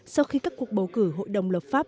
sau khi các cuộc bầu cử hội đồng lập pháp